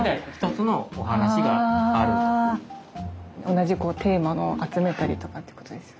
同じテーマのを集めたりとかっていうことですよね。